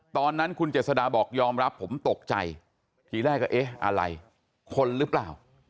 ตอนนั้นคุณเจษฎาบอกยอมรับผมตกใจทีแรกก็เอ๊ะอะไรคนหรือเปล่า